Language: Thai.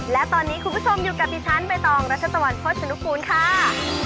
และตอนนี้คุณผู้ชมอยู่กับดิฉันใบตองรัชตะวันโภชนุกูลค่ะ